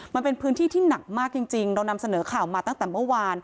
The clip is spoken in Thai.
มันเป็นพื้นที่ที่หนักมากจริงเรานำเสนอข่าวมาตั้งแต่เมื่อวาน